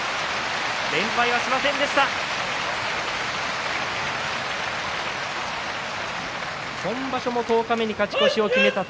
連敗はしませんでした。